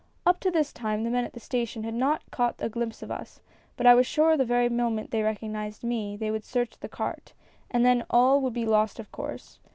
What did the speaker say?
Up to this time the men at the station had not caught a glimpse of us; but I was sure the very moment they recognized me, they would search the cart, and then all would be lost of course.